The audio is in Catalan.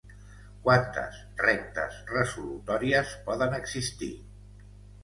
Quantes rectes resolutòries poden existir?